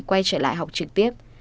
quay trở lại học trực tiếp